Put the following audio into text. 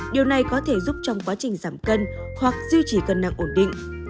điều này có thể giúp trong quá trình giảm cân hoặc duy trì cân nặng ổn định